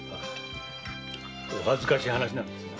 お恥ずかしい話なんですが。